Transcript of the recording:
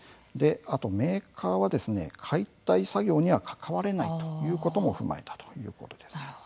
あとメーカーは解体作業には関われないということも踏まえたということです。